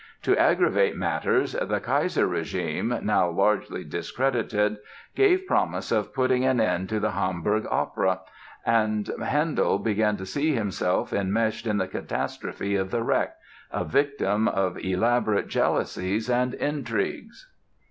To aggravate matters the Keiser regime, now largely discredited, gave promise of putting an end to the Hamburg Opera; and Handel began to see himself enmeshed in the catastrophe of the wreck, a victim of elaborate jealousies and intrigues.